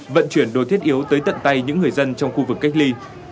vận chuyển đồ thiết yếu tới tận tay những người dân trong khu vực cách ly